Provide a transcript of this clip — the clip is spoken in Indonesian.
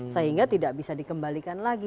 sehingga tidak bisa dikembalikan lagi